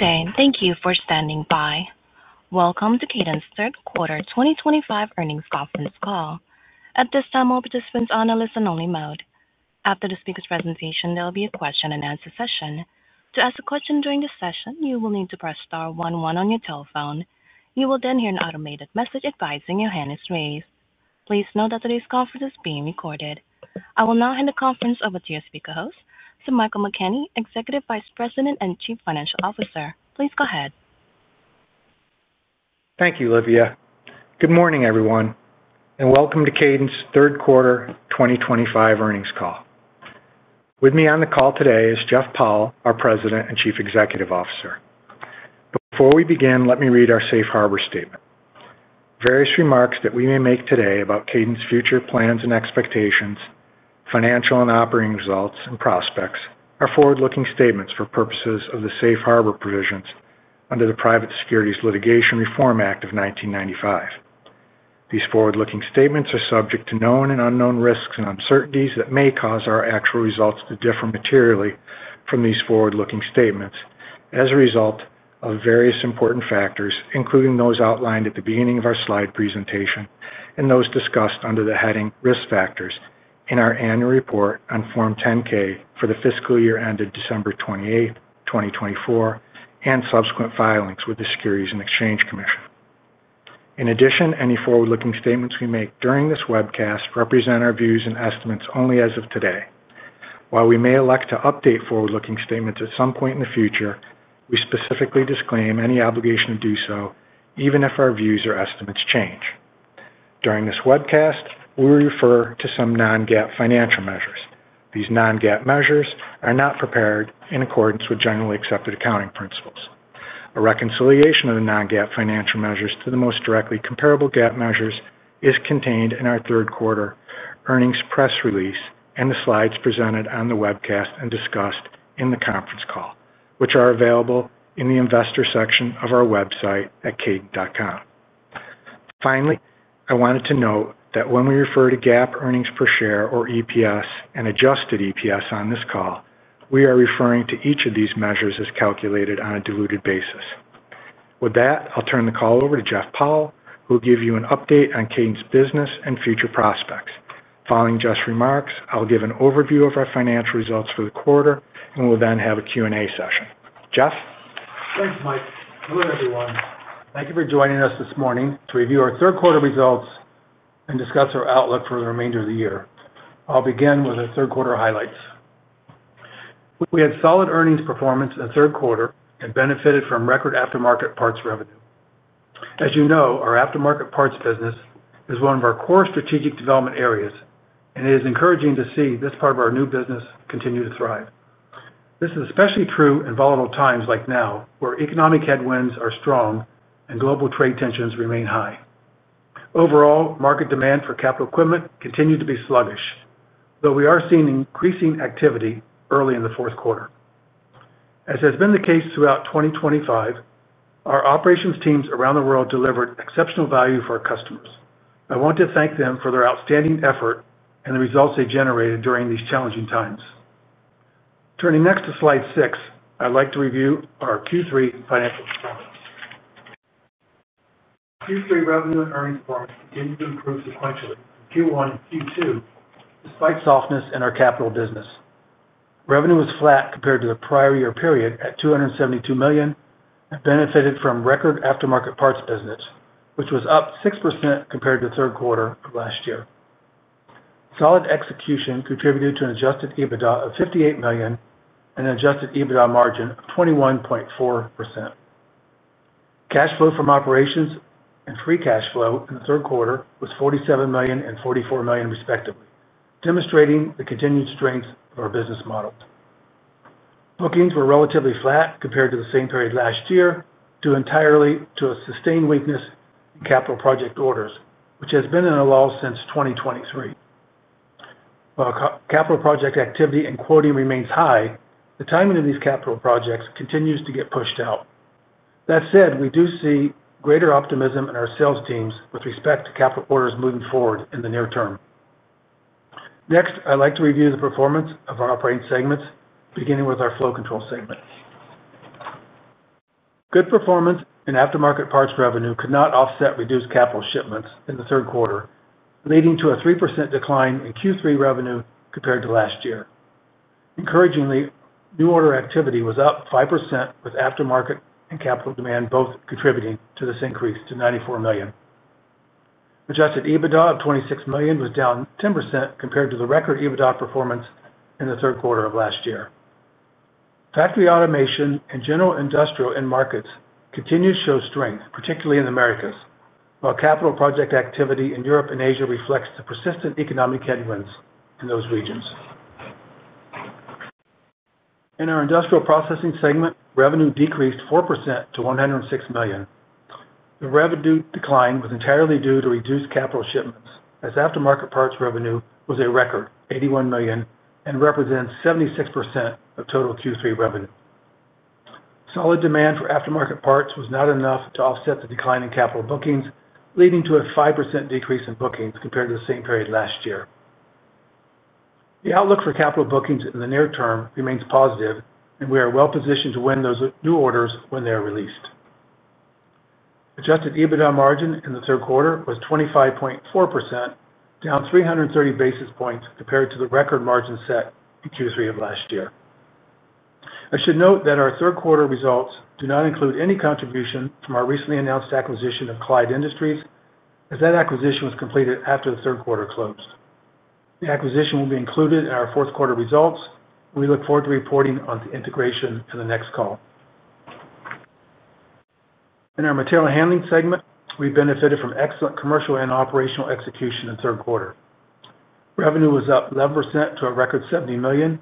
Thank you for standing by. Welcome to Kadant's third quarter 2025 earnings conference call. At this time, all participants are on a listen-only mode. After the speaker's presentation, there will be a question-and-answer session. To ask a question during this session, you will need to press star one one on your telephone. You will then hear an automated message advising your hand is raised. Please note that today's conference is being recorded. I will now hand the conference over to your speaker host, Mr. Michael McKenney, Executive Vice President and Chief Financial Officer. Please go ahead. Thank you, Livia. Good morning, everyone, and welcome to Kadant's third quarter 2025 earnings call. With me on the call today is Jeff Powell, our President and Chief Executive Officer. Before we begin, let me read our Safe Harbor statement. Various remarks that we may make today about Kadant's future plans and expectations, financial and operating results, and prospects are forward-looking statements for purposes of the Safe Harbor provisions under the Private Securities Litigation Reform Act of 1995. These forward-looking statements are subject to known and unknown risks and uncertainties that may cause our actual results to differ materially from these forward-looking statements as a result of various important factors, including those outlined at the beginning of our slide presentation and those discussed under the heading Risk Factors in our annual report on Form 10-K for the fiscal year ended December 28, 2024, and subsequent filings with the Securities and Exchange Commission. In addition, any forward-looking statements we make during this webcast represent our views and estimates only as of today. While we may elect to update forward-looking statements at some point in the future, we specifically disclaim any obligation to do so, even if our views or estimates change. During this webcast, we will refer to some non-GAAP financial measures. These non-GAAP measures are not prepared in accordance with generally accepted accounting principles. A reconciliation of the non-GAAP financial measures to the most directly comparable GAAP measures is contained in our third quarter earnings press release and the slides presented on the webcast and discussed in the conference call, which are available in the Investor section of our website at Kadant.com. Finally, I wanted to note that when we refer to GAAP earnings per share or EPS and adjusted EPS on this call, we are referring to each of these measures as calculated on a diluted basis. With that, I'll turn the call over to Jeff Powell, who will give you an update on Kadant's business and future prospects. Following Jeffrey's remarks, I'll give an overview of our financial results for the quarter, and we'll then have a Q&A session. Jeff? Thanks, Mike. Hello, everyone. Thank you for joining us this morning to review our third quarter results and discuss our outlook for the remainder of the year. I'll begin with our third quarter highlights. We had solid earnings performance in the third quarter and benefited from record aftermarket parts revenue. As you know, our aftermarket parts business is one of our core strategic development areas, and it is encouraging to see this part of our business continue to thrive. This is especially true in volatile times like now, where economic headwinds are strong and global trade tensions remain high. Overall, market demand for capital equipment continues to be sluggish, though we are seeing increasing activity early in the fourth quarter. As has been the case throughout 2025, our operations teams around the world delivered exceptional value for our customers. I want to thank them for their outstanding effort and the results they generated during these challenging times. Turning next to slide six, I'd like to review our Q3 financial performance. Q3 revenue and earnings performance continued to improve sequentially in Q1, Q2, despite softness in our capital business. Revenue was flat compared to the prior year period at $272 million and benefited from record aftermarket parts business, which was up 6% compared to the third quarter of last year. Solid execution contributed to an adjusted EBITDA of $58 million and an adjusted EBITDA margin of 21.4%. Cash flow from operations and free cash flow in the third quarter was $47 million and $44 million, respectively, demonstrating the continued strength of our business models. Bookings were relatively flat compared to the same period last year, due entirely to a sustained weakness in capital project orders, which has been in a lull since 2023. While capital project activity and quoting remains high, the timing of these capital projects continues to get pushed out. That said, we do see greater optimism in our sales teams with respect to capital orders moving forward in the near term. Next, I'd like to review the performance of our operating segments, beginning with our flow control segment. Good performance in aftermarket parts revenue could not offset reduced capital shipments in the third quarter, leading to a 3% decline in Q3 revenue compared to last year. Encouragingly, new order activity was up 5%, with aftermarket and capital demand both contributing to this increase to $94 million. Adjusted EBITDA of $26 million was down 10% compared to the record EBITDA performance in the third quarter of last year. Factory automation and general industrial end markets continue to show strength, particularly in the Americas, while capital project activity in Europe and Asia reflects the persistent economic headwinds in those regions. In our industrial processing segment, revenue decreased 4% to $106 million. The revenue decline was entirely due to reduced capital shipments, as aftermarket parts revenue was a record $81 million and represents 76% of total Q3 revenue. Solid demand for aftermarket parts was not enough to offset the decline in capital bookings, leading to a 5% decrease in bookings compared to the same period last year. The outlook for capital bookings in the near term remains positive, and we are well-positioned to win those new orders when they are released. Adjusted EBITDA margin in the third quarter was 25.4%, down 330 basis points compared to the record margin set in Q3 of last year. I should note that our third quarter results do not include any contribution from our recently announced acquisition of Clyde Industries, as that acquisition was completed after the third quarter closed. The acquisition will be included in our fourth quarter results, and we look forward to reporting on the integration in the next call. In our material handling segment, we benefited from excellent commercial and operational execution in the third quarter. Revenue was up 11% to a record $70 million,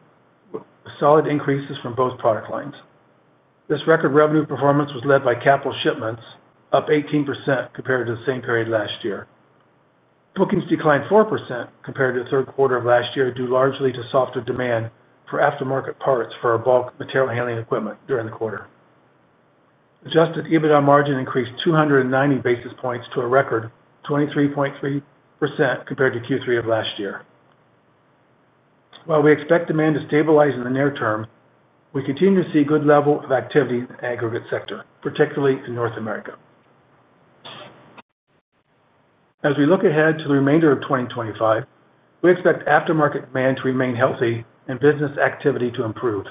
with solid increases from both product lines. This record revenue performance was led by capital shipments, up 18% compared to the same period last year. Bookings declined 4% compared to the third quarter of last year, due largely to softer demand for aftermarket parts for our bulk material handling equipment during the quarter. Adjusted EBITDA margin increased 290 basis points to a record 23.3% compared to Q3 of last year. While we expect demand to stabilize in the near term, we continue to see a good level of activity in the aggregate sector, particularly in North America. As we look ahead to the remainder of 2025, we expect aftermarket demand to remain healthy and business activity to improve.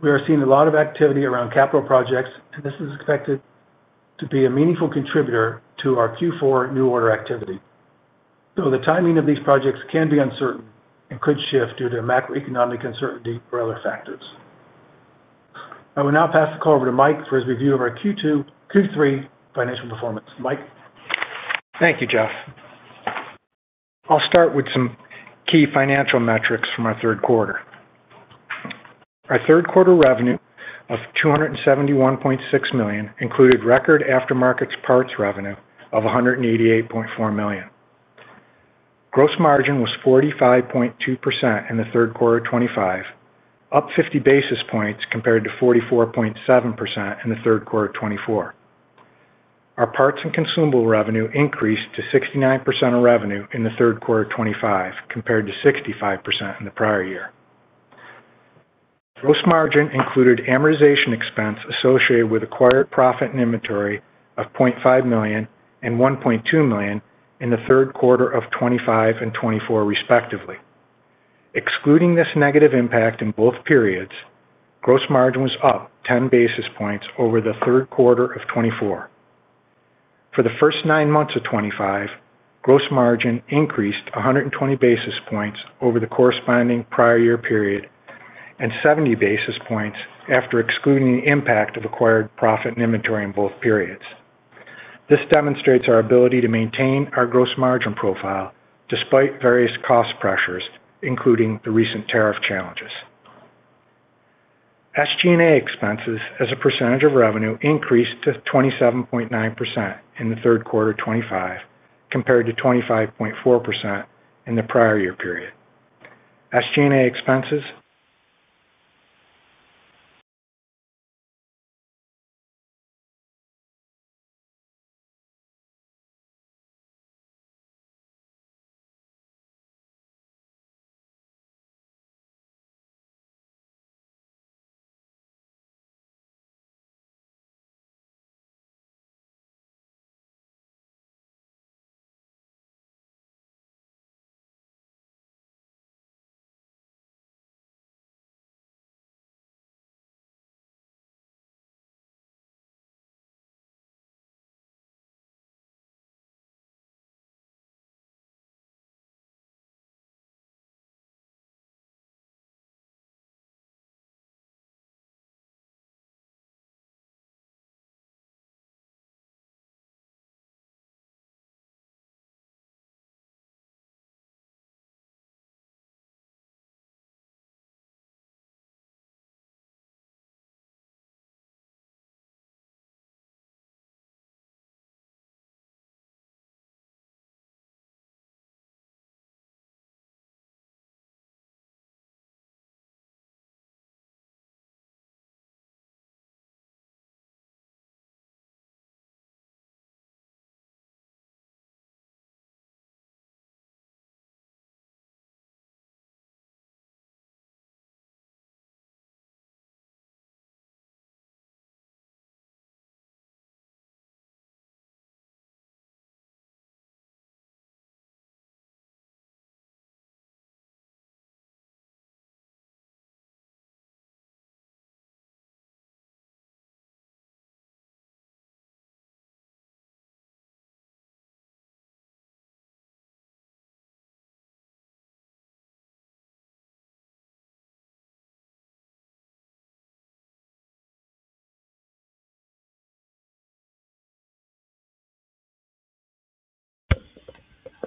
We are seeing a lot of activity around capital projects, and this is expected to be a meaningful contributor to our Q4 new order activity, though the timing of these projects can be uncertain and could shift due to macroeconomic uncertainty or other factors. I will now pass the call over to Mike for his review of our Q2, Q3 financial performance. Mike. Thank you, Jeff. I'll start with some key financial metrics from our third quarter. Our third quarter revenue of $271.6 million included record aftermarket parts revenue of $188.4 million. Gross margin was 45.2% in the third quarter of 2025, up 50 basis points compared to 44.7% in the third quarter of 2024. Our parts and consumable revenue increased to 69% of revenue in the third quarter of 2025 compared to 65% in the prior year. Gross margin included amortization expense associated with acquired profit and inventory of $0.5 million and $1.2 million in the third quarter of 2025 and 2024, respectively. Excluding this negative impact in both periods, gross margin was up 10 basis points over the third quarter of 2024. For the first nine months of 2025, gross margin increased 120 basis points over the corresponding prior year period and 70 basis points after excluding the impact of acquired profit and inventory in both periods. This demonstrates our ability to maintain our gross margin profile despite various cost pressures, including the recent tariff challenges. SG&A expenses, as a percentage of revenue, increased to 27.9% in the third quarter of 2025 compared to 25.4% in the prior year period. SG&A expenses.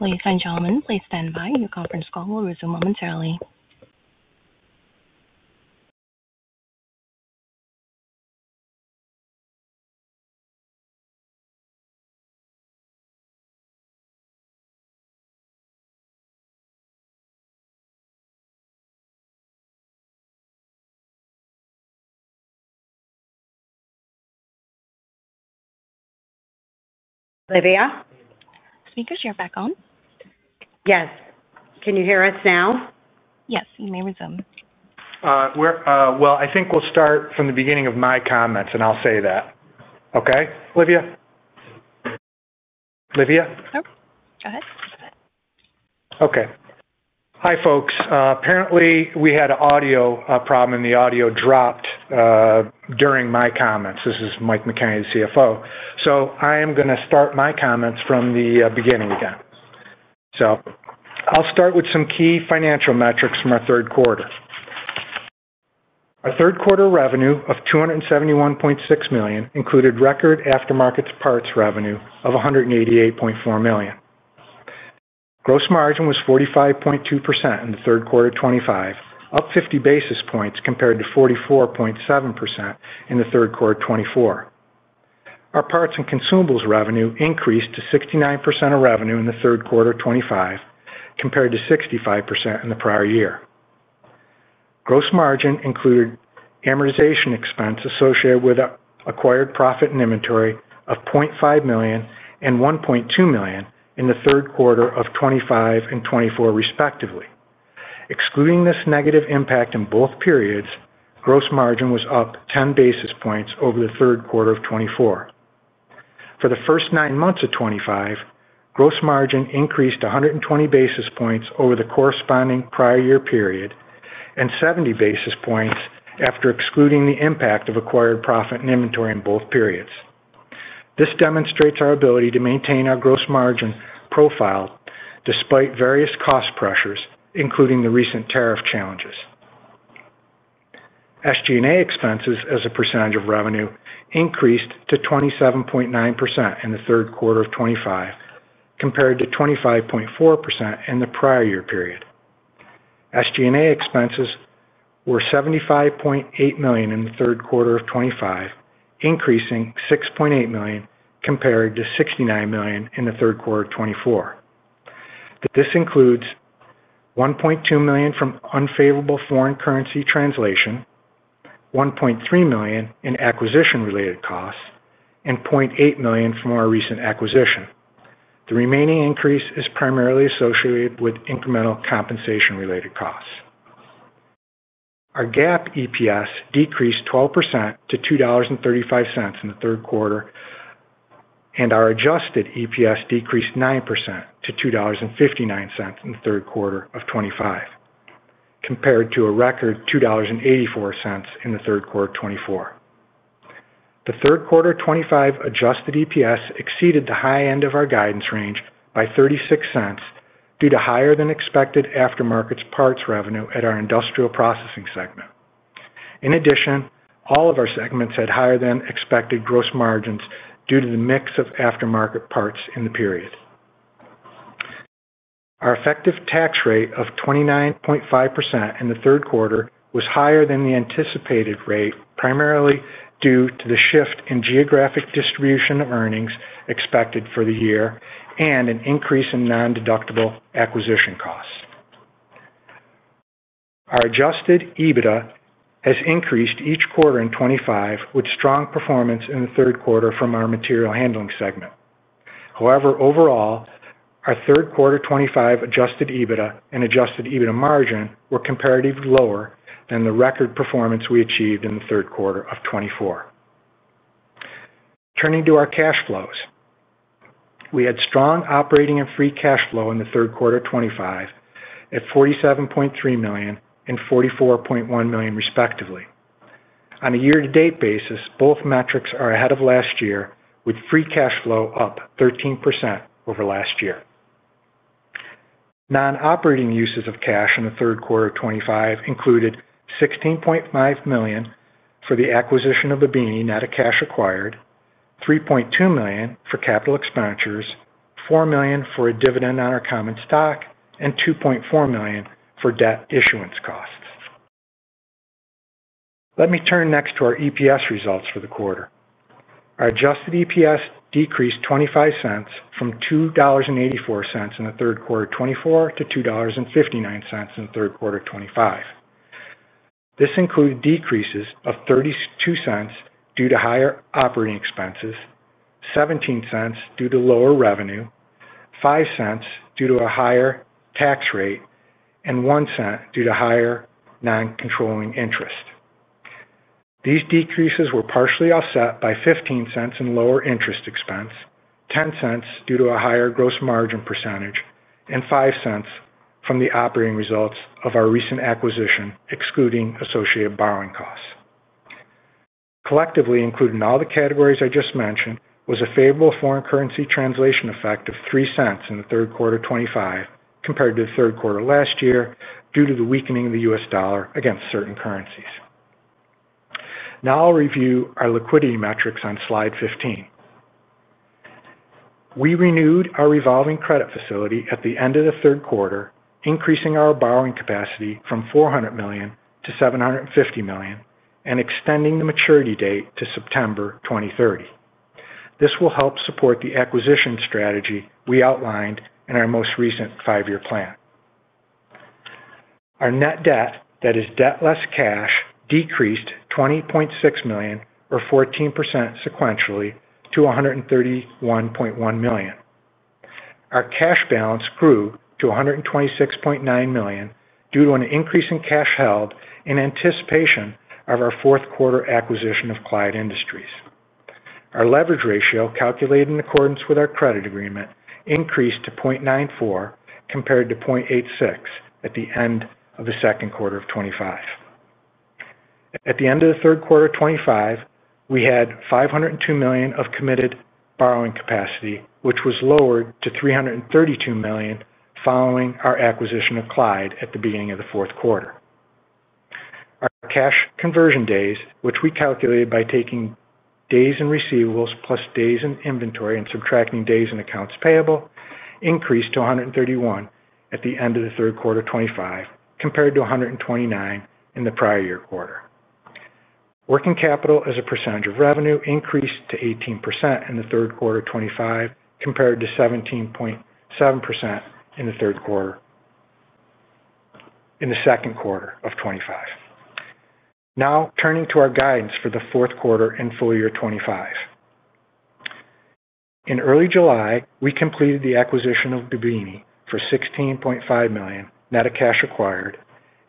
Ladies and gentlemen, please stand by. Your conference call will resume momentarily. Livia? Speaker, is your mic on? Yes, can you hear us now? Yes, you may resume. We're I think we'll start from the beginning of my comments, and I'll say that. Okay? Livia? Livia? Go ahead. Okay. Hi, folks. Apparently, we had an audio problem, and the audio dropped during my comments. This is Mike McKenney, the CFO. I am going to start my comments from the beginning again. I'll start with some key financial metrics from our third quarter. Our third quarter revenue of $271.6 million included record aftermarket parts revenue of $188.4 million. Gross margin was 45.2% in the third quarter of 2025, up 50 basis points compared to 44.7% in the third quarter of 2024. Our parts and consumables revenue increased to 69% of revenue in the third quarter of 2025 compared to 65% in the prior year. Gross margin included amortization expense associated with acquired profit and inventory of $0.5 million and $1.2 million in the third quarter of 2025 and 2024, respectively. Excluding this negative impact in both periods, gross margin was up 10 basis points over the third quarter of 2024. For the first nine months of 2025, gross margin increased 120 basis points over the corresponding prior year period and 70 basis points after excluding the impact of acquired profit and inventory in both periods. This demonstrates our ability to maintain our gross margin profile despite various cost pressures, including the recent tariff challenges. SG&A expenses, as a percentage of revenue, increased to 27.9% in the third quarter of 2025 compared to 25.4% in the prior year period. SG&A expenses were $75.8 million in the third quarter of 2025, increasing $6.8 million compared to $69 million in the third quarter of 2024. This includes $1.2 million from unfavorable foreign currency translation, $1.3 million in acquisition-related costs, and $0.8 million from our recent acquisition. The remaining increase is primarily associated with incremental compensation-related costs. Our GAAP EPS decreased 12% to $2.35 in the third quarter, and our adjusted EPS decreased 9% to $2.59 in the third quarter of 2025 compared to a record $2.84 in the third quarter of 2024. The third quarter of 2025 adjusted EPS exceeded the high end of our guidance range by $0.36 due to higher-than-expected aftermarket parts revenue at our industrial processing segment. In addition, all of our segments had higher-than-expected gross margins due to the mix of aftermarket parts in the period. Our effective tax rate of 29.5% in the third quarter was higher than the anticipated rate, primarily due to the shift in geographic distribution of earnings expected for the year and an increase in non-deductible acquisition costs. Our adjusted EBITDA has increased each quarter in 2025 with strong performance in the third quarter from our material handling segment. However, overall, our third quarter 2025 adjusted EBITDA and adjusted EBITDA margin were comparatively lower than the record performance we achieved in the third quarter of 2024. Turning to our cash flows, we had strong operating and free cash flow in the third quarter of 2025 at $47.3 million and $44.1 million, respectively. On a year-to-date basis, both metrics are ahead of last year, with free cash flow up 13% over last year. Non-operating uses of cash in the third quarter of 2025 included $16.5 million for the acquisition of Babbini, $3.2 million for capital expenditures, $4 million for a dividend on our common stock, and $2.4 million for debt issuance costs. Let me turn next to our EPS results for the quarter. Our adjusted EPS decreased $0.25 from $2.84 in the third quarter of 2024 to $2.59 in the third quarter of 2025. This includes decreases of $0.32 due to higher operating expenses, $0.17 due to lower revenue, $0.05 due to a higher tax rate, and $0.01 due to higher non-controlling interest. These decreases were partially offset by $0.15 in lower interest expense, $0.10 due to a higher gross margin percentage, and $0.05 from the operating results of our recent acquisition, excluding associated borrowing costs. Collectively, included in all the categories I just mentioned, was a favorable foreign currency translation effect of $0.03 in the third quarter of 2025 compared to the third quarter last year due to the weakening of the U.S. dollar against certain currencies. Now I'll review our liquidity metrics on slide 15. We renewed our revolving credit facility at the end of the third quarter, increasing our borrowing capacity from $400 million-$750 million and extending the maturity date to September 2030. This will help support the acquisition strategy we outlined in our most recent five-year plan. Our net debt, that is debt less cash, decreased $20.6 million or 14% sequentially to $131.1 million. Our cash balance grew to $126.9 million due to an increase in cash held in anticipation of our fourth quarter acquisition of Clyde Industries. Our leverage ratio, calculated in accordance with our credit agreement, increased to 0.94 compared to 0.86 at the end of the second quarter of 2025. At the end of the third quarter of 2025, we had $502 million of committed borrowing capacity, which was lowered to $332 million following our acquisition of Clyde Industries at the beginning of the fourth quarter. Our cash conversion days, which we calculated by taking days in receivables plus days in inventory and subtracting days in accounts payable, increased to 131 at the end of the third quarter of 2025 compared to 129 in the prior year quarter. Working capital, as a percentage of revenue, increased to 18% in the third quarter of 2025 compared to 17.7% in the second quarter of 2025. Now turning to our guidance for the fourth quarter and full year 2025. In early July, we completed the acquisition of Babbini for $16.5 million net of cash acquired,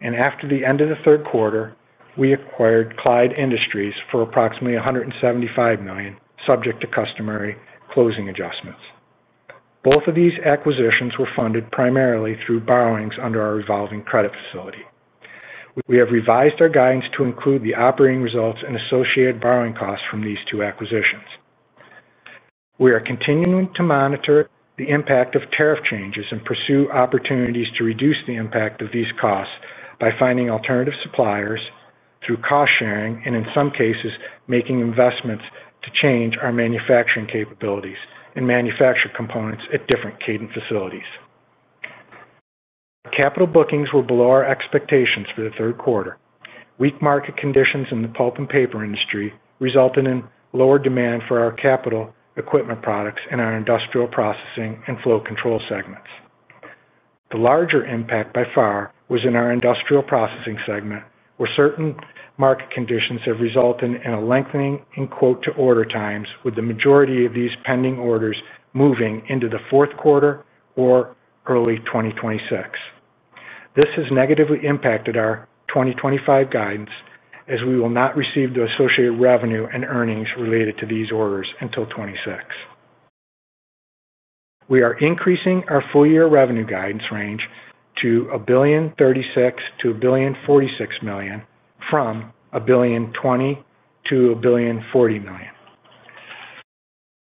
and after the end of the third quarter, we acquired Clyde Industries for approximately $175 million subject to customary closing adjustments. Both of these acquisitions were funded primarily through borrowings under our revolving credit facility. We have revised our guidance to include the operating results and associated borrowing costs from these two acquisitions. We are continuing to monitor the impact of tariff changes and pursue opportunities to reduce the impact of these costs by finding alternative suppliers through cost sharing and, in some cases, making investments to change our manufacturing capabilities and manufacture components at different Kadant facilities. Our capital bookings were below our expectations for the third quarter. Weak market conditions in the Pulp and Paper industry resulted in lower demand for our capital equipment products in our industrial processing and flow control segments. The larger impact by far was in our industrial processing segment, where certain market conditions have resulted in a lengthening in quote-to-order times, with the majority of these pending orders moving into the fourth quarter or early 2026. This has negatively impacted our 2025 guidance, as we will not receive the associated revenue and earnings related to these orders until 2026. We are increasing our full-year revenue guidance range to $1,036,000,000-$1,046,000,000 from $1,020,000,000-$1,040,000,000.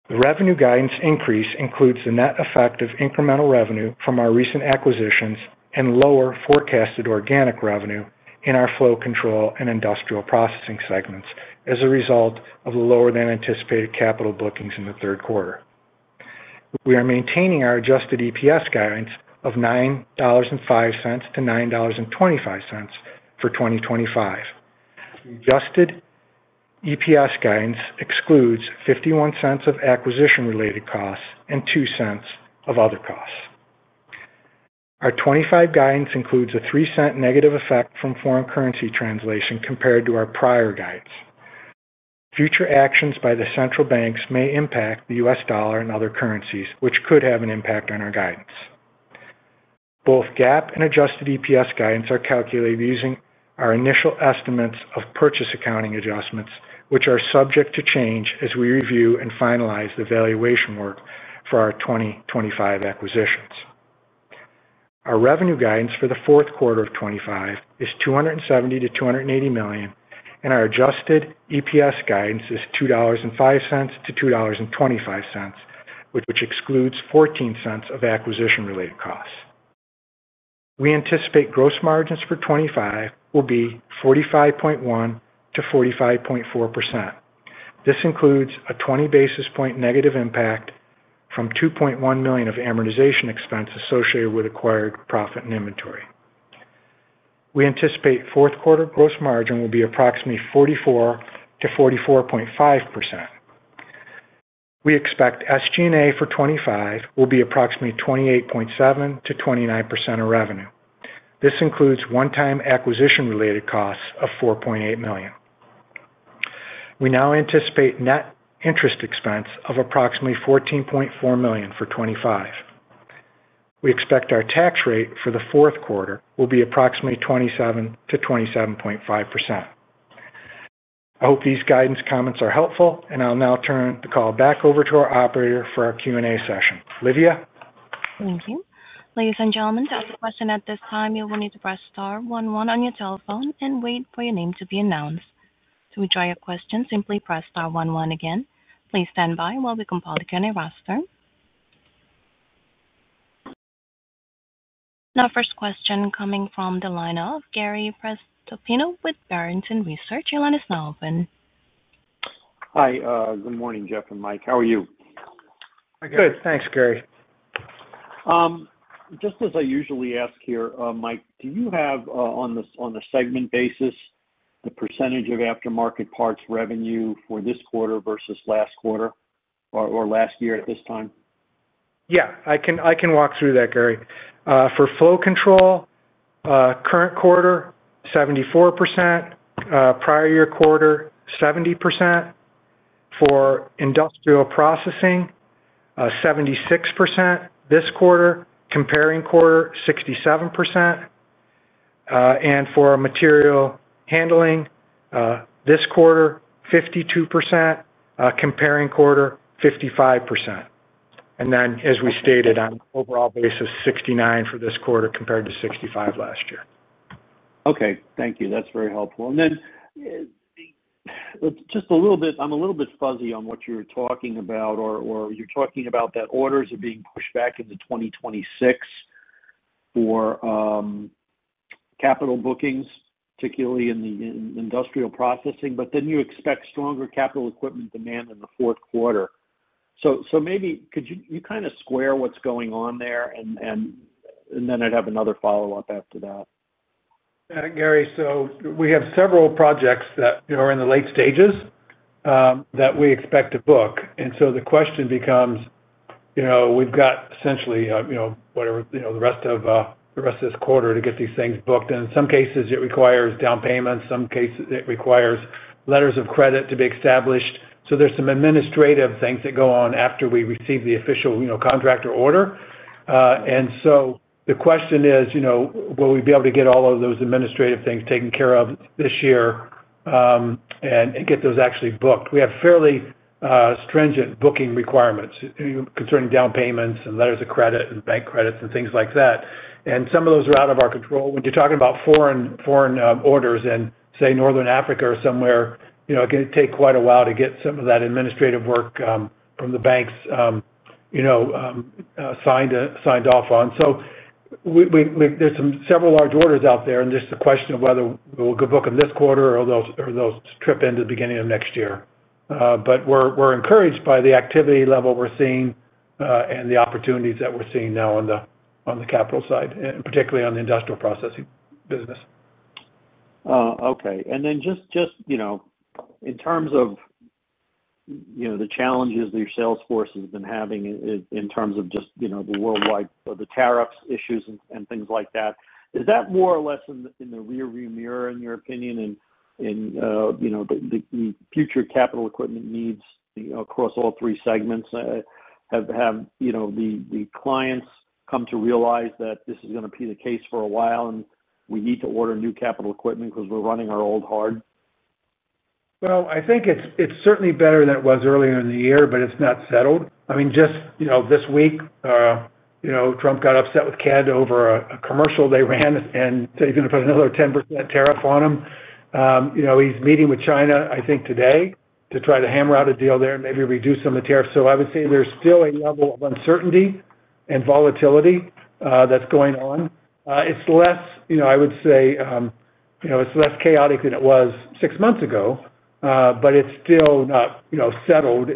The revenue guidance increase includes the net effect of incremental revenue from our recent acquisitions and lower forecasted organic revenue in our flow control and industrial processing segments as a result of the lower than anticipated capital bookings in the third quarter. We are maintaining our adjusted EPS guidance of $9.05-$9.25 for 2025. The adjusted EPS guidance excludes $0.51 of acquisition-related costs and $0.02 of other costs. Our 2025 guidance includes a $0.03 negative effect from foreign currency translation compared to our prior guidance. Future actions by the central banks may impact the U.S. dollar and other currencies, which could have an impact on our guidance. Both GAAP and adjusted EPS guidance are calculated using our initial estimates of purchase accounting adjustments, which are subject to change as we review and finalize the valuation work for our 2025 acquisitions. Our revenue guidance for the fourth quarter of 2025 is $270 million-$280 million, and our adjusted EPS guidance is $2.05-$2.25, which excludes $0.14 of acquisition-related costs. We anticipate gross margins for 2025 will be 45.1%-45.4%. This includes a 20 basis point negative impact from $2.1 million of amortization expense associated with acquired profit and inventory. We anticipate fourth quarter gross margin will be approximately 44%-44.5%. We expect SG&A for 2025 will be approximately 28.7%-29% of revenue. This includes one-time acquisition-related costs of $4.8 million. We now anticipate net interest expense of approximately $14.4 million for 2025. We expect our tax rate for the fourth quarter will be approximately 27%- 27.5%. I hope these guidance comments are helpful, and I'll now turn the call back over to our operator for our Q&A session. Livia? Thank you. Ladies and gentlemen, to ask a question at this time, you will need to press star one one on your telephone and wait for your name to be announced. To withdraw your question, simply press star one one again. Please stand by while we compile the Q&A roster. Now, first question coming from the line of Gary Prestopino with Barrington Research. You'll let us know, open. Hi. Good morning, Jeff and Mike. How are you? Good. Thanks, Gary. Just as I usually ask here, Mike, do you have on the segment basis the percentage of aftermarket parts revenue for this quarter versus last quarter or last year at this time? Yeah, I can walk through that, Gary. For flow control, current quarter 74%, prior year quarter 70%. For industrial processing, 76% this quarter, comparing quarter 67%. For material handling, this quarter 52%, comparing quarter 55%. As we stated, on an overall basis, 69% for this quarter compared to 65% last year. Okay. Thank you. That's very helpful. I'm a little bit fuzzy on what you're talking about or you're talking about that orders are being pushed back into 2026 for capital bookings, particularly in the industrial processing, but you expect stronger capital equipment demand in the fourth quarter. Maybe could you kind of square what's going on there, and then I'd have another follow-up after that. Yeah, Gary. We have several projects that are in the late stages that we expect to book. The question becomes, you know, we've got essentially, you know, the rest of this quarter to get these things booked. In some cases, it requires down payments. In some cases, it requires letters of credit to be established. There are some administrative things that go on after we receive the official contractor order. The question is, you know, will we be able to get all of those administrative things taken care of this year and get those actually booked? We have fairly stringent booking requirements concerning down payments and letters of credit and bank credits and things like that. Some of those are out of our control. When you're talking about foreign orders in, say, Northern Africa or somewhere, it can take quite a while to get some of that administrative work from the banks signed off on. There are several large orders out there, and there's the question of whether we'll get booked in this quarter or they'll slip into the beginning of next year. We're encouraged by the activity level we're seeing and the opportunities that we're seeing now on the capital side, and particularly on the industrial processing business. Okay. In terms of the challenges that your sales force has been having in terms of the worldwide or the tariffs issues and things like that, is that more or less in the rearview mirror, in your opinion, and in the future capital equipment needs across all three segments? Have the clients come to realize that this is going to be the case for a while and we need to order new capital equipment because we're running our old hard? I think it's certainly better than it was earlier in the year, but it's not settled. Just this week, Trump got upset with Kadant over a commercial they ran, and now he's going to put another 10% tariff on them. He's meeting with China today to try to hammer out a deal there and maybe reduce some of the tariffs. I would say there's still a level of uncertainty and volatility that's going on. It's less chaotic than it was six months ago, but it's still not settled.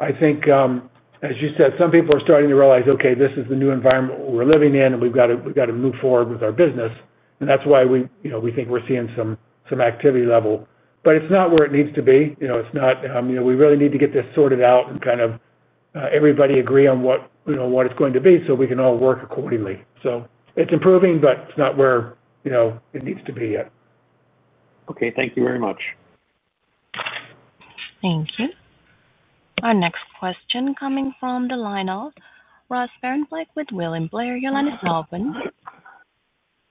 I think, as you said, some people are starting to realize, okay, this is the new environment we're living in, and we've got to move forward with our business. That's why we think we're seeing some activity level, but it's not where it needs to be. It's not, you know, we really need to get this sorted out and kind of everybody agree on what it's going to be so we can all work accordingly. It's improving, but it's not where it needs to be yet. Okay, thank you very much. Thank you. Our next question coming from the line of Ross Sparenblek with William Blair. You'll let us know, open.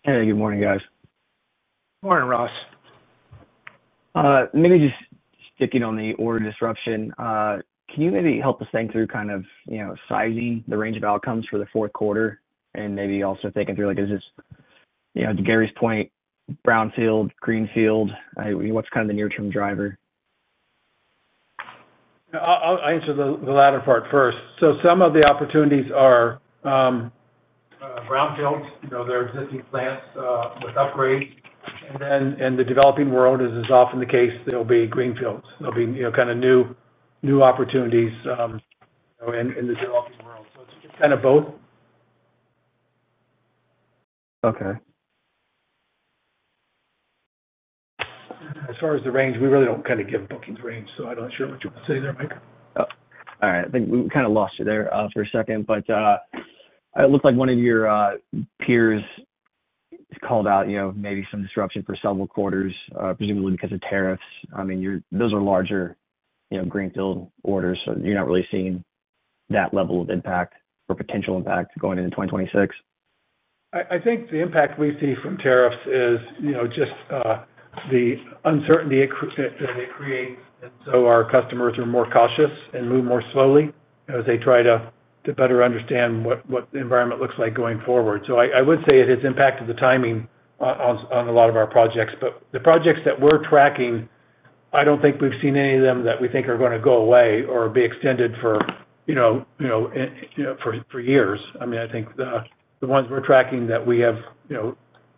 Hey, good morning, guys. Morning, Ross. Maybe just sticking on the order disruption, can you help us think through sizing the range of outcomes for the fourth quarter and maybe also thinking through, like is this, to Gary's point, brownfield, greenfield? What's the near-term driver? I'll answer the latter part first. Some of the opportunities are brownfields, you know, they're existing plants with upgrades. In the developing world, as is often the case, there'll be greenfields. There'll be, you know, kind of new opportunities in the developing world. It's kind of both. Okay. As far as the range, we really don't give bookings range, so I'm not sure what you want to say there, Mike. All right. I think we kind of lost you there for a second, but it looks like one of your peers called out, you know, maybe some disruption for several quarters, presumably because of tariffs. I mean, those are larger, you know, greenfield orders, so you're not really seeing that level of impact or potential impact going into 2026? I think the impact we see from tariffs is just the uncertainty that it creates. Our customers are more cautious and move more slowly as they try to better understand what the environment looks like going forward. I would say it has impacted the timing on a lot of our projects. The projects that we're tracking, I don't think we've seen any of them that we think are going to go away or be extended for years. I think the ones we're tracking that we have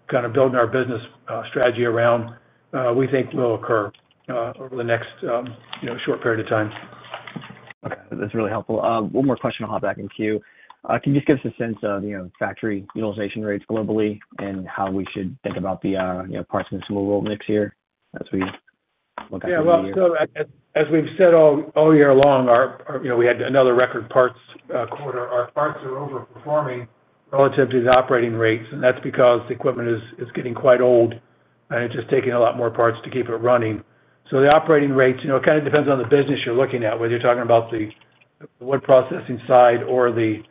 kind of built in our business strategy around, we think will occur over the next short period of time. Okay. That's really helpful. One more question. I'll hop back in queue. Can you just give us a sense of, you know, factory utilization rates globally and how we should think about the parts consumable mix here as we look at it? As we've said all year long, we had another record parts quarter. Our parts are overperforming relative to the operating rates, and that's because the equipment is getting quite old, and it's just taking a lot more parts to keep it running. The operating rates, you know, it kind of depends on the business you're looking at, whether you're talking about the wood processing side or the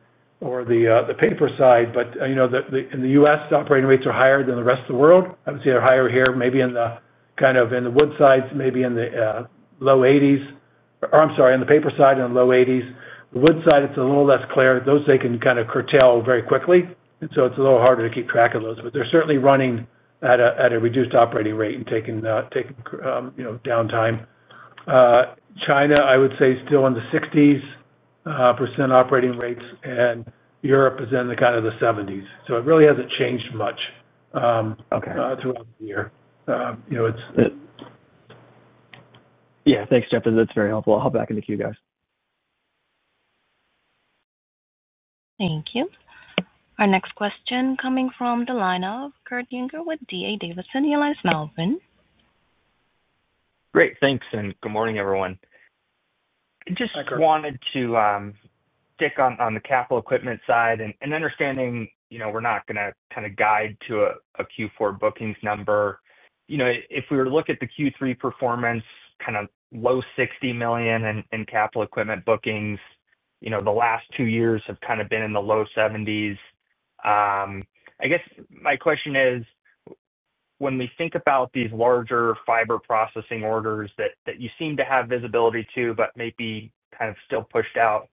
paper side. In the U.S., operating rates are higher than the rest of the world. I would say they're higher here, maybe in the kind of in the wood sides, maybe in the low 80%. Or, I'm sorry, on the paper side, in the low 80%. The wood side, it's a little less clear. Those can kind of curtail very quickly, and it's a little harder to keep track of those. They're certainly running at a reduced operating rate and taking downtime. China, I would say, is still in the 60% operating rates, and Europe is in the kind of the 70%. It really hasn't changed much throughout the year. Yeah, thanks, Jeff. That's very helpful. I'll hop back into queue, guys. Thank you. Our next question coming from the line of Kurt Yinger with D.A. Davidson. You'll let us know, open. Great. Thanks. Good morning, everyone. I just wanted to stick on the capital equipment side and understanding, you know, we're not going to kind of guide to a Q4 bookings number. If we were to look at the Q3 performance, kind of low $60 million in capital equipment bookings, the last two years have kind of been in the low $70 million. I guess my question is, when we think about these larger fiber processing orders that you seem to have visibility to, but maybe kind of still pushed out,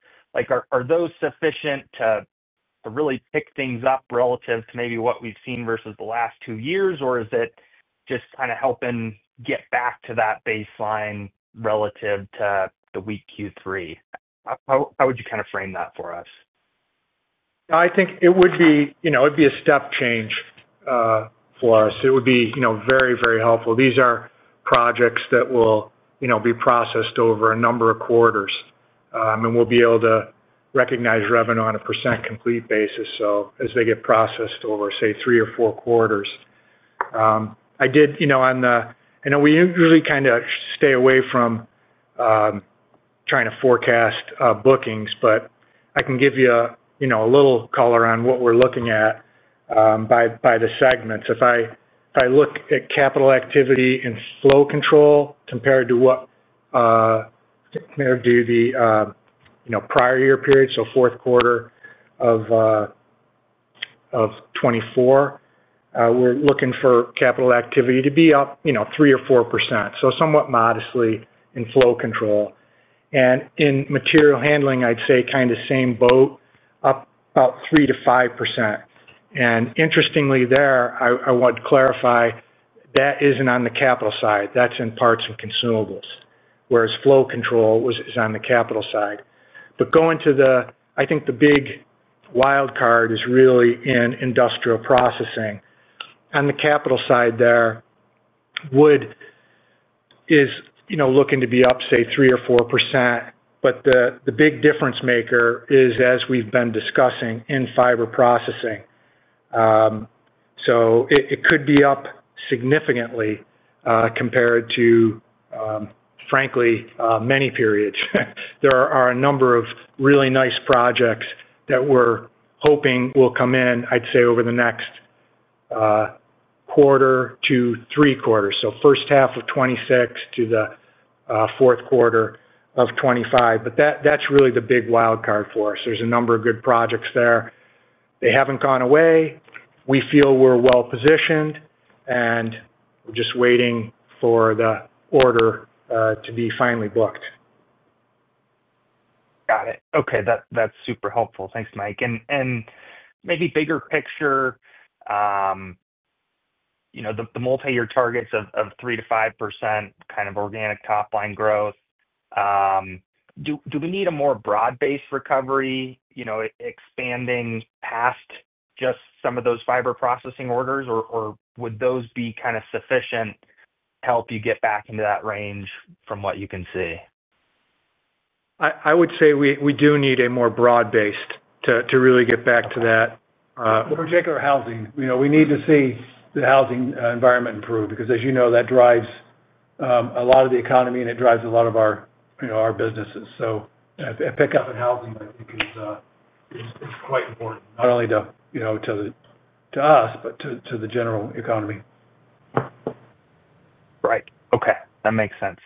are those sufficient to really pick things up relative to maybe what we've seen versus the last two years, or is it just kind of helping get back to that baseline relative to the weak Q3? How would you kind of frame that for us? No, I think it would be a step change for us. It would be very, very helpful. These are projects that will be processed over a number of quarters. I mean, we'll be able to recognize revenue on a percent complete basis as they get processed over, say, three or four quarters. I know we usually kind of stay away from trying to forecast bookings, but I can give you a little color on what we're looking at by the segments. If I look at capital activity and flow control compared to the prior year period, so fourth quarter of 2024, we're looking for capital activity to be up 3% or 4%. So somewhat modestly in flow control. In material handling, I'd say kind of same boat, up about 3%-5%. Interestingly, there, I want to clarify, that isn't on the capital side. That's in parts and consumables, whereas flow control is on the capital side. I think the big wildcard is really in industrial processing. On the capital side, there is, you know, looking to be up, say, 3% or 4%. The big difference maker is, as we've been discussing, in fiber processing. It could be up significantly compared to, frankly, many periods. There are a number of really nice projects that we're hoping will come in, I'd say, over the next quarter to three quarters, so first half of 2026 to the fourth quarter of 2025. That's really the big wildcard for us. There's a number of good projects there. They haven't gone away. We feel we're well-positioned, and we're just waiting for the order to be finally booked. Got it. Okay. That's super helpful. Thanks, Mike. Maybe bigger picture, you know, the multi-year targets of 3%-5% kind of organic top-line growth, do we need a more broad-based recovery, you know, expanding past just some of those fiber processing orders, or would those be kind of sufficient to help you get back into that range from what you can see? I would say we do need a more broad-based recovery to really get back to that. Particularly housing. You know, we need to see the housing environment improve because, as you know, that drives a lot of the economy and it drives a lot of our, you know, our businesses. A pickup in housing, I think, is quite important, not only to, you know, to us, but to the general economy. Right. Okay. That makes sense.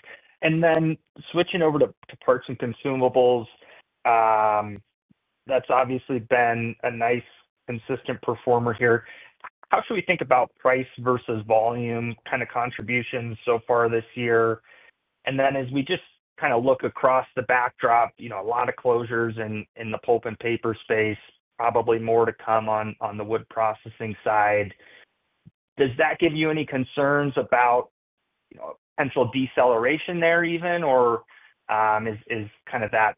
Switching over to parts and consumables, that's obviously been a nice consistent performer here. How should we think about price versus volume kind of contributions so far this year? As we look across the backdrop, you know, a lot of closures in the pulp and paper space, probably more to come on the wood processing side. Does that give you any concerns about potential deceleration there even, or is kind of that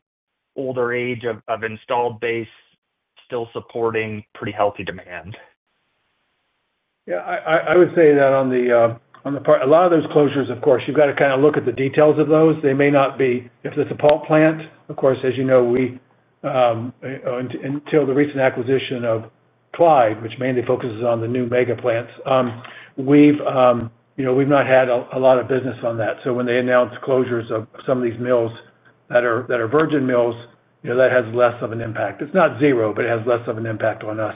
older age of installed base still supporting pretty healthy demand? Yeah. I would say that on the part, a lot of those closures, of course, you've got to kind of look at the details of those. They may not be, if it's a pulp plant, of course, as you know, we, until the recent acquisition of Clyde Industries, which mainly focuses on the new mega plants, we've not had a lot of business on that. When they announce closures of some of these mills that are virgin mills, that has less of an impact. It's not zero, but it has less of an impact on us.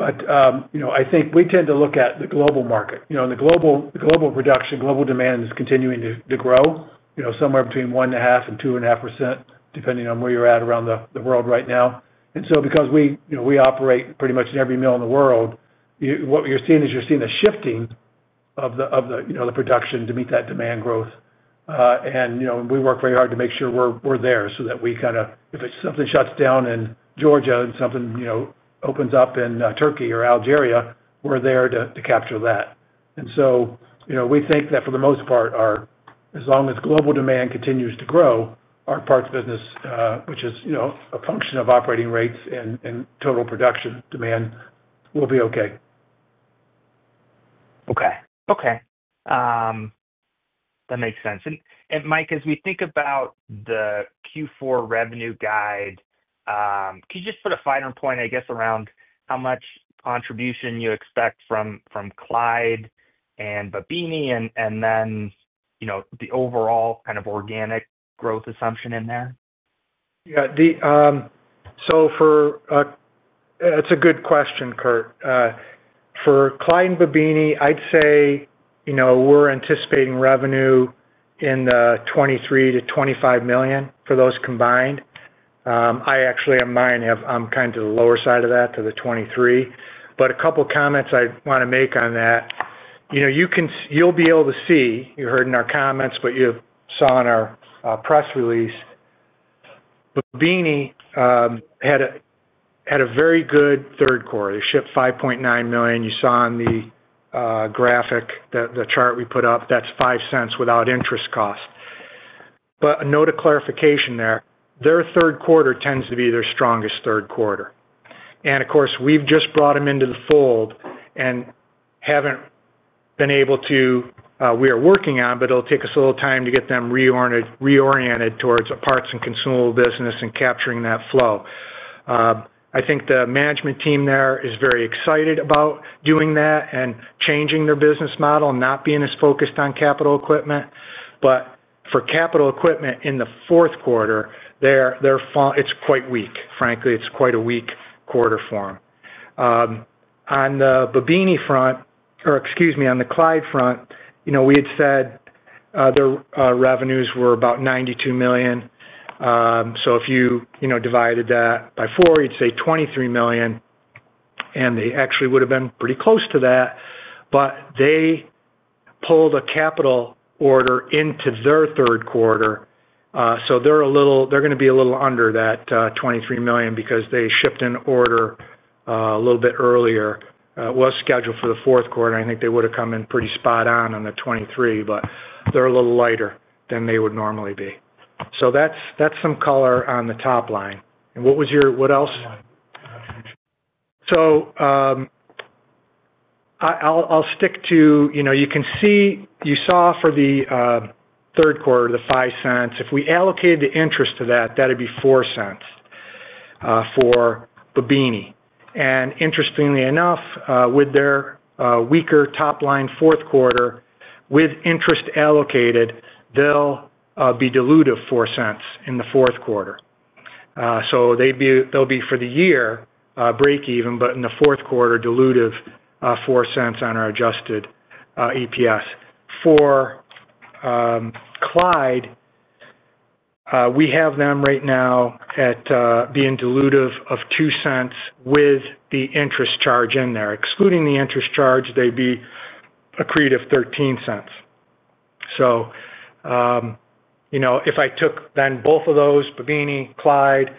I think we tend to look at the global market. In the global production, global demand is continuing to grow, somewhere between 1.5% and 2.5%, depending on where you're at around the world right now. Because we operate pretty much in every mill in the world, what you're seeing is you're seeing a shifting of the production to meet that demand growth. We work very hard to make sure we're there so that if something shuts down in Georgia and something opens up in Turkey or Algeria, we're there to capture that. We think that for the most part, as long as global demand continues to grow, our parts business, which is a function of operating rates and total production demand, will be okay. Okay. That makes sense. Mike, as we think about the Q4 revenue guide, could you just put a finer point, I guess, around how much contribution you expect from Clyde Industries and Babbini, and then, you know, the overall kind of organic growth assumption in there? Yeah. It's a good question, Kurt. For Clyde Industries and Babbini, I'd say we're anticipating revenue in the $23 to $25 million range for those combined. I actually, on mine, I'm kind of on the lower side of that to the $23 million. A couple of comments I want to make on that. You can, you'll be able to see, you heard in our comments, but you saw in our press release, Babbini had a very good third quarter. They shipped $5.9 million. You saw in the graphic, the chart we put up, that's $0.05 without interest cost. A note of clarification there, their third quarter tends to be their strongest third quarter. Of course, we've just brought them into the fold and haven't been able to, we are working on, but it'll take us a little time to get them reoriented towards a parts and consumable business and capturing that flow. I think the management team there is very excited about doing that and changing their business model and not being as focused on capital equipment. For capital equipment in the fourth quarter, their fall is quite weak. Frankly, it's quite a weak quarter for them. On the Babbini front, or excuse me, on the Clyde Industries front, we had said their revenues were about $92 million. If you divided that by four, you'd say $23 million. They actually would have been pretty close to that, but they pulled a capital order into their third quarter. They're going to be a little under that $23 million because they shipped an order a little bit earlier. It was scheduled for the fourth quarter. I think they would have come in pretty spot on the $23 million, but they're a little lighter than they would normally be. That's some color on the top line. What else? I'll stick to, you can see, you saw for the third quarter, the $0.05. If we allocated the interest to that, that'd be $0.04 for Babbini. Interestingly enough, with their weaker top line fourth quarter, with interest allocated, they'll be dilutive $0.04 in the fourth quarter. They'll be for the year break even, but in the fourth quarter, dilutive $0.04 on our adjusted EPS. For Clyde Industries, we have them right now at being dilutive of $0.02 with the interest charge in there. Excluding the interest charge, they'd be accretive $0.13. If I took then both of those, Babbini and Clyde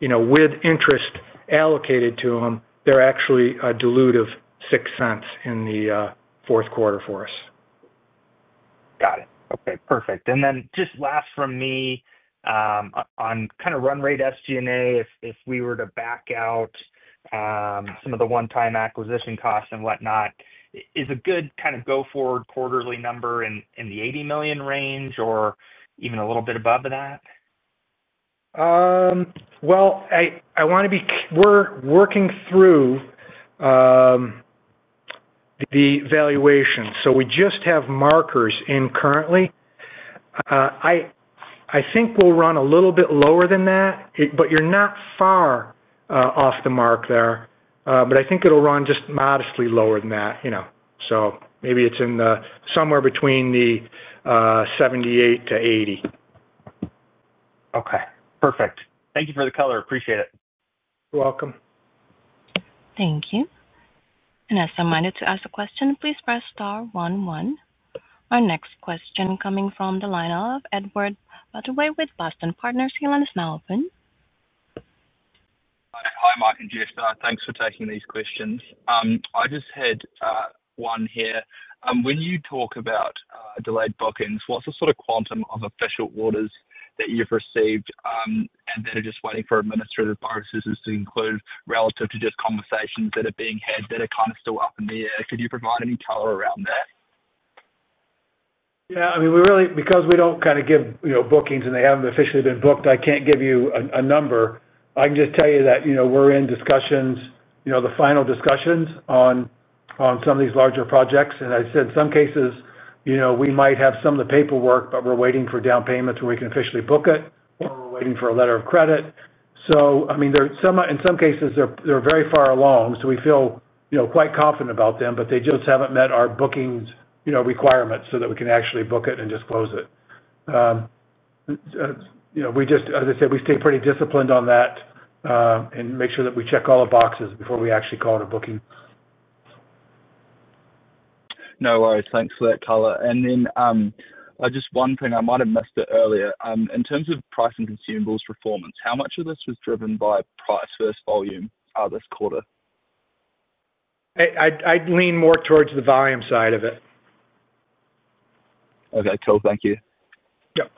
Industries, with interest allocated to them, they're actually dilutive $0.06 in the fourth quarter for us. Got it. Okay. Perfect. Just last from me on kind of run rate SG&A, if we were to back out some of the one-time acquisition costs and whatnot, is a good kind of go forward quarterly number in the $80 million range or even a little bit above that? I want to be clear, we're working through the valuation. We just have markers in currently. I think we'll run a little bit lower than that, but you're not far off the mark there. I think it'll run just modestly lower than that, you know. Maybe it's somewhere between the $78-$80. Okay. Perfect. Thank you for the color. Appreciate it. You're welcome. Thank you. To ask a question, please press star one one. Our next question is coming from the line of Edward Butterway with Boston Partners. Your line is now open. Hi, Mike and Jeff, thanks for taking these questions. I just had one here. When you talk about delayed bookings, what's the sort of quantum of official orders that you've received and that are just waiting for administrative processes to conclude relative to just conversations that are being had that are kind of still up in the air? Could you provide any color around that? Yeah. I mean, we really, because we don't kind of give, you know, bookings and they haven't officially been booked, I can't give you a number. I can just tell you that we're in discussions, the final discussions on some of these larger projects. In some cases, we might have some of the paperwork, but we're waiting for down payments where we can officially book it or we're waiting for a letter of credit. There are some, in some cases, they're very far along. We feel quite confident about them, but they just haven't met our bookings requirements so that we can actually book it and just close it. We stay pretty disciplined on that and make sure that we check all the boxes before we actually call it a booking. No worries. Thanks for that color. Just one thing, I might have missed it earlier. In terms of price and consumables performance, how much of this was driven by price versus volume this quarter? I'd lean more towards the volume side of it. Okay, cool. Thank you. Yep.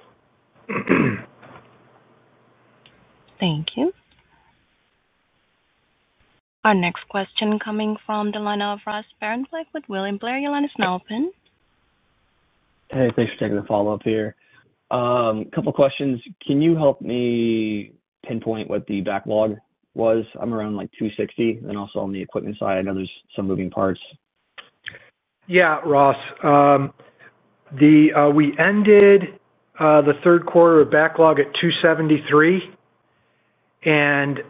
Thank you. Our next question coming from the line of Ross Sparenblek with William Blair. You'll let us know, open. Hey, thanks for taking the follow-up here. A couple of questions. Can you help me pinpoint what the backlog was? I'm around $260, and then also on the equipment side, I know there's some moving parts. Yeah, Ross. We ended the third quarter with backlog at $273, and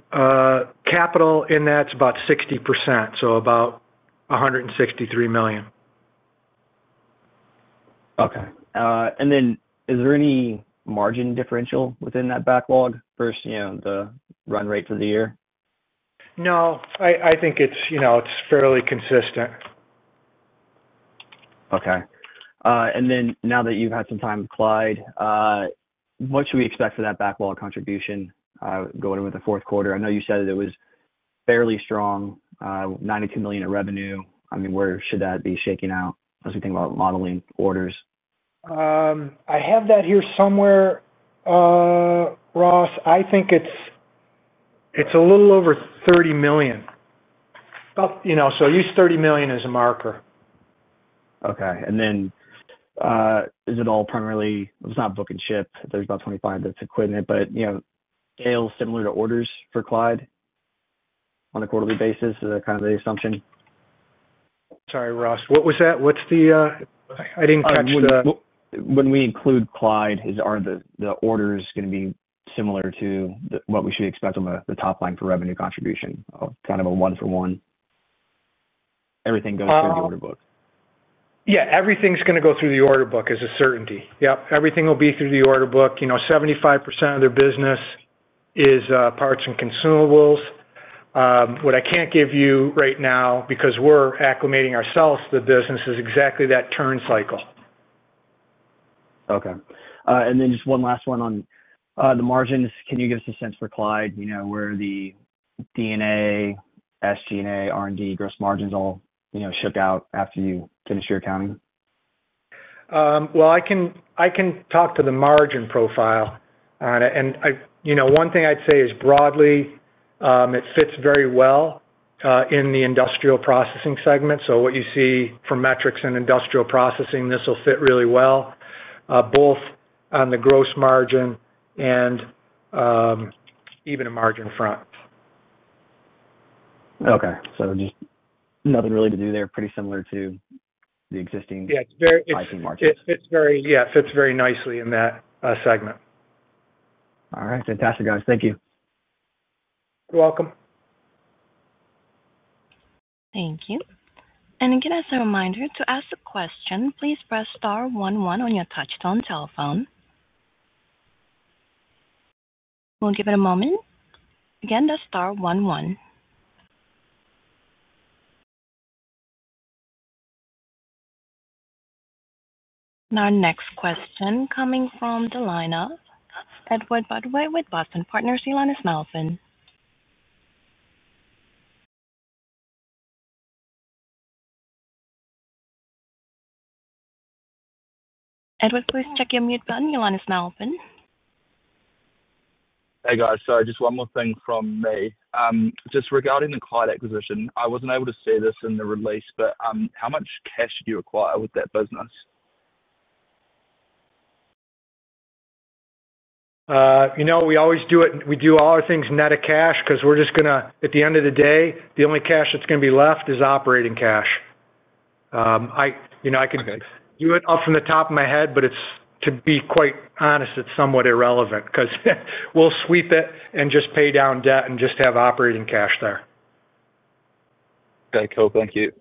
capital in that's about 60%, so about $163 million. Is there any margin differential within that backlog versus the run rate for the year? No, I think it's fairly consistent. Okay. Now that you've had some time with Clyde Industries, what should we expect for that backlog contribution going into the fourth quarter? I know you said that it was fairly strong, $92 million in revenue. Where should that be shaking out as we think about modeling orders? I have that here somewhere, Ross. I think it's a little over $30 million. You know, use $30 million as a marker. Okay. If it's not book and ship, there's about 25% that's equipment, but you know, sales similar to orders for Clyde Industries on a quarterly basis? Is that kind of the assumption? Sorry, Ross. What was that? I didn't catch the. When we include Clyde Industries, are the orders going to be similar to what we should expect on the top line for revenue contribution? Kind of a one-for-one? Everything goes through the order book. Everything's going to go through the order book as a certainty. Everything will be through the order book. You know, 75% of their business is parts and consumables. What I can't give you right now because we're acclimating ourselves to the business is exactly that turn cycle. Okay. Just one last one on the margins. Can you give us a sense for Clyde, you know, where the DNA, SG&A, R&D, gross margins all, you know, shook out after you finish your accounting? I can talk to the margin profile on it. One thing I'd say is broadly, it fits very well in the industrial processing segment. What you see for metrics in industrial processing, this will fit really well, both on the gross margin and even a margin front. Okay, just nothing really to do there, pretty similar to the existing pricing margins. It fits very nicely in that segment. All right. Fantastic, guys. Thank you. You're welcome. Thank you. As a reminder, to ask a question, please press star one one on your touchtone telephone. We'll give it a moment. Again, that's star one one. Our next question coming from the line of Edward Butterway with Boston Partners. You'll let us know open. Edward, please check your mute button. You'll let us know open. Hey, guys. Sorry, just one more thing from me. Just regarding the Clyde Industries acquisition, I wasn't able to see this in the release, but how much cash did you acquire with that business? We always do it. We do all our things net of cash because we're just going to, at the end of the day, the only cash that's going to be left is operating cash. I could do it off the top of my head, but to be quite honest, it's somewhat irrelevant because we'll sweep it and just pay down debt and just have operating cash there. Okay, cool. Thank you.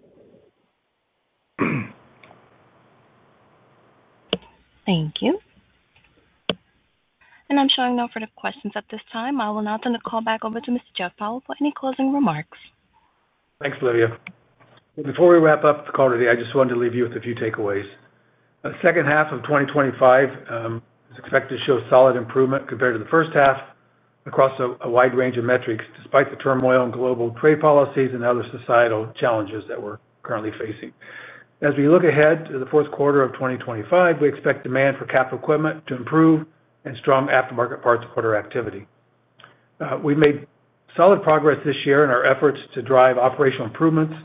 Thank you. I'm showing no further questions at this time. I will now turn the call back over to Mr. Jeff Powell for any closing remarks. Thanks, Livia. Before we wrap up the call today, I just wanted to leave you with a few takeaways. The second half of 2025 is expected to show solid improvement compared to the first half across a wide range of metrics, despite the turmoil in global trade policy and other societal challenges that we're currently facing. As we look ahead to the fourth quarter of 2025, we expect demand for capital equipment to improve and strong aftermarket parts quarter activity. We've made solid progress this year in our efforts to drive operational improvements,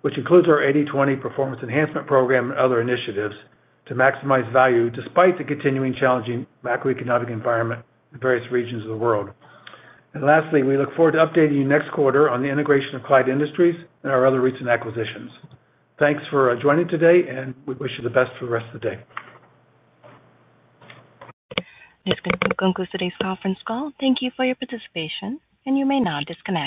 which includes our 80/20 performance enhancement program and other initiatives to maximize value despite the continuing challenging macroeconomic environment in various regions of the world. Lastly, we look forward to updating you next quarter on the integration of Clyde Industries and our other recent acquisitions. Thanks for joining today, and we wish you the best for the rest of the day. This concludes today's conference call. Thank you for your participation, and you may now disconnect.